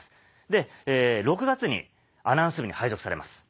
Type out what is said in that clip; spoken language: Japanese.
で６月にアナウンス部に配属されます。